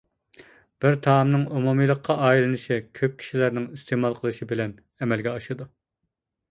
بىر تائامنىڭ ئومۇمىيلىققا ئايلىنىشى كۆپ كىشىلەرنىڭ ئىستېمال قىلىشى بىلەن ئەمەلگە ئاشىدۇ.